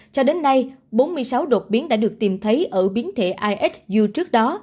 cho đến nay bốn mươi sáu đột biến đã được tìm thấy ở biến thể ihu trước đó